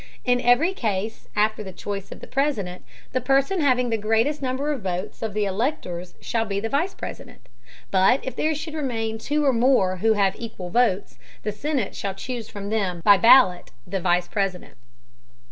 In every Case, after the Choice of the President, the Person having the greatest Number of Votes of the Electors shall be the Vice President. But if there should remain two or more who have equal Votes, the Senate shall chuse from them by Ballot the Vice President.